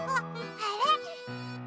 あれ？